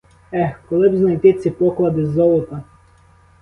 Ех, коли б знайти ці поклади золота!